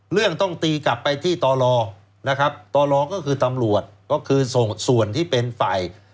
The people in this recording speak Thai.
เรื่องต้องตีกลับไปที่ตลนะครับตรก็คือตำรวจก็คือส่งส่วนที่เป็นฝ่าย